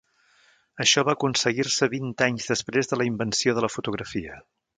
Això va aconseguir-se vint anys després de la invenció de la fotografia.